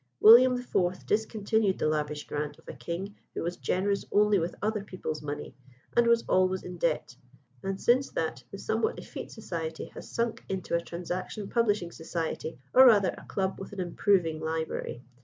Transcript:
William IV. discontinued the lavish grant of a king who was generous only with other people's money, and was always in debt; and since that the somewhat effete society has sunk into a Transaction Publishing Society, or rather a club with an improving library.